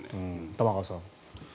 玉川さん。